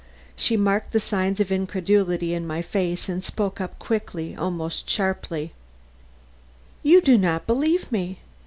She marked the signs of incredulity in my face and spoke up quickly, almost sharply: "You do not believe me.